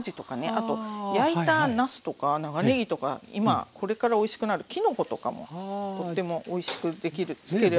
あと焼いたなすとか長ネギとか今これからおいしくなるきのことかもとってもおいしくできるつけられると思います。